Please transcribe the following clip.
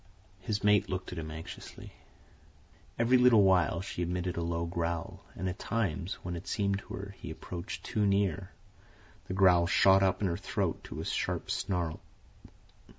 His mate looked at him anxiously. Every little while she emitted a low growl, and at times, when it seemed to her he approached too near, the growl shot up in her throat to a sharp snarl.